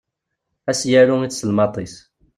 Ad as-yaru i tselmadt-is.